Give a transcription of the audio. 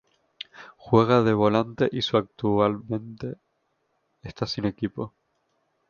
Juega de volante y su actualmente está sin equipo.